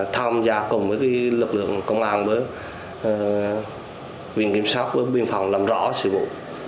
tham gia cùng với lực lượng công an viện kiểm sát viện phòng làm rõ sự vụ